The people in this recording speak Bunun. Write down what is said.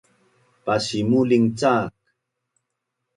Pasimuling cak